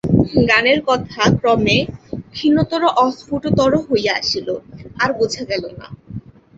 গানের কথা ক্রমে ক্ষীণতর অস্ফুটতর হইয়া আসিল, আর বুঝা গেল না।